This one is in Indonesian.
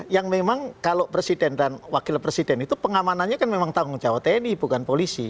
yang memang kalau presiden dan wakil presiden itu pengamanannya kan memang tanggung jawab tni bukan polisi